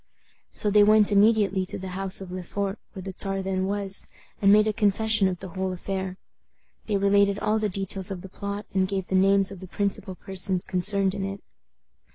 So they went immediately to the house of Le Fort, where the Czar then was, and made a confession of the whole affair. They related all the details of the plot, and gave the names of the principal persons concerned in it.